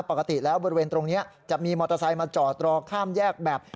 ปกติแล้วบริเวณตรงนี้จะมีมอเตอร์ไซค์มาจอดรอข้ามแยกแบบ